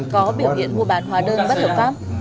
có biểu hiện mua bán hóa đơn bất hợp pháp